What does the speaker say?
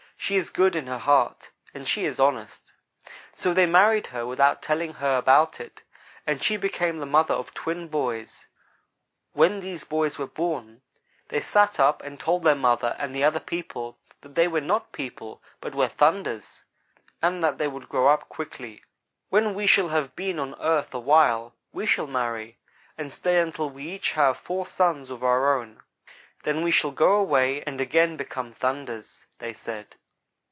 She is good in her heart, and she is honest.' "So they married her, without telling her about it, and she became the mother of twin boys. When these boys were born, they sat up and told their mother and the other people that they were not people, but were 'thunders,' and that they would grow up quickly. "'When we shall have been on earth a while, we shall marry, and stay until we each have four sons of our own, then we shall go away and again become "thunders,"' they said.